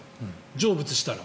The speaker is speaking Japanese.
成仏したら。